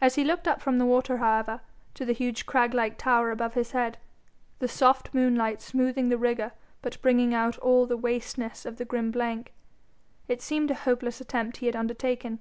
As he looked up from the water, however, to the huge crag like tower over his head, the soft moonlight smoothing the rigour but bringing out all the wasteness of the grim blank, it seemed a hopeless attempt he had undertaken.